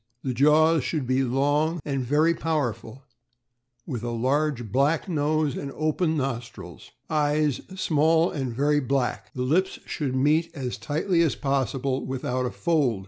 The jaws should be long and very powerful, with a large black nose and open nostrils. Eyes small and very black. The lips should meet as tightly as possible, without a fold.